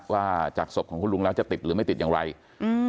ว่าจากศพของคุณลุงแล้วจะติดหรือไม่ติดอย่างไรอืม